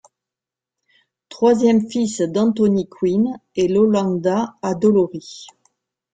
Troisième fils d'Anthony Quinn et Iolanda Addolori.